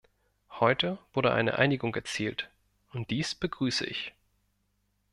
Heute wurde eine Einigung erzielt, und dies begrüße ich.